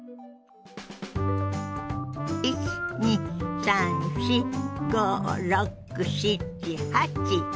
１２３４５６７８。